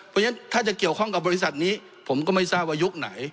เพราะฉะนั้นถ้าจะเกี่ยวข้องกับบริษัทนี้ผมก็ไม่ทราบว่ายุคไหน